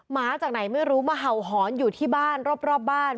มาจากไหนไม่รู้มาเห่าหอนอยู่ที่บ้านรอบบ้าน